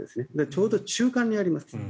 ちょうど中間にあります。